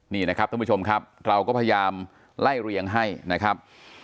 นี่นะครับท่านผู้ชมครับเราก็พยายามไล่เรียงให้นะครับ